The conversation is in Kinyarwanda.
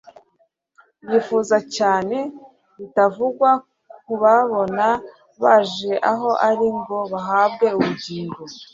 Yifuza cyane bitavugwa kubabona baje aho ari ngo bahabwe ubugingo.